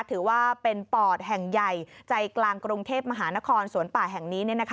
ถือว่าเป็นปอดแห่งใหญ่ใจกลางกรุงเทพมหานครสวนป่าแห่งนี้